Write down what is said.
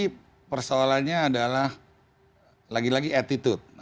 tapi persoalannya adalah lagi lagi attitude